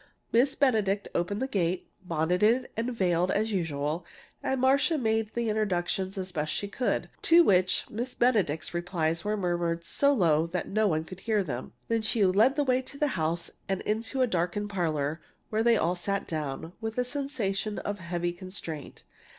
Miss Benedict opened the gate, bonneted and veiled as usual, and Marcia made the introductions as best she could, to which Miss Benedict's replies were murmured so low that no one could hear them. Then she led the way to the house and into the darkened parlor, where they all sat down, with a sensation of heavy constraint.